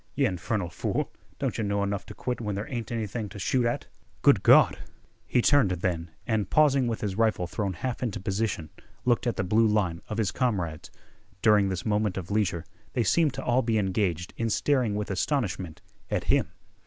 "Yeh infernal fool, don't yeh know enough t' quit when there ain't anything t' shoot at? Good Gawd!" He turned then and, pausing with his rifle thrown half into position, looked at the blue line of his comrades. During this moment of leisure they seemed all to be engaged in staring with astonishment at him.